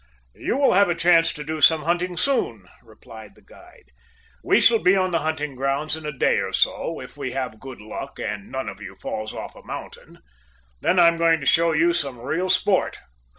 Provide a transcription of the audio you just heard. "You will have a chance to do some hunting soon," replied the guide. "We shall be on the hunting grounds in a day or so, if we have good luck, and none of you falls off a mountain. Then I am going to show you some real sport."